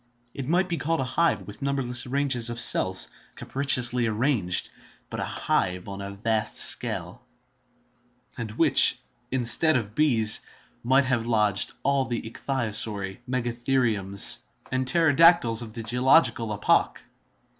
It might be called a hive with numberless ranges of cells, capriciously arranged, but a hive on a vast scale, and which, instead of bees, might have lodged all the ichthyosauri, megatheriums, and pterodactyles of the geological epoch.